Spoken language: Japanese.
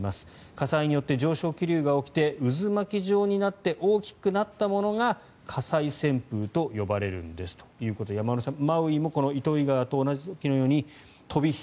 火災によって上昇気流が起きて渦巻き状になって大きくなったものが火災旋風と呼ばれるんですということで山村さん、マウイもこの糸魚川と同じように飛び火。